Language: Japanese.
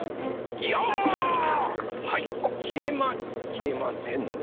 はいきえまきえませんね。